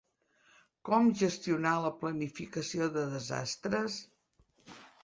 Com gestionar la planificació de desastres?